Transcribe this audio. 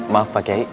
maaf pak kei